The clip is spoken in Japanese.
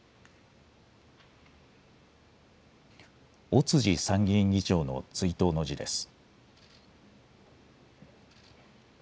尾辻参議院議長の追悼の辞です。